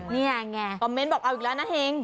นี่ไงคอมเมนต์บอกเอาอีกแล้วนะเฮง